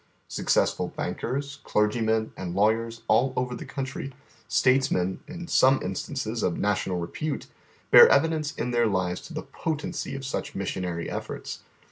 Successful bankers, clergymen, and lawyers all over the country, statesmen in some instances of na tional repute, bear evidence in their lives to the potency of such missionary efforts.